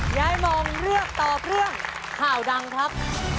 ยายมองเลือกตอบเรื่องข่าวดังครับ